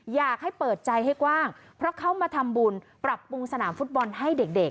อยากให้เปิดใจให้กว้างเพราะเขามาทำบุญปรับปรุงสนามฟุตบอลให้เด็ก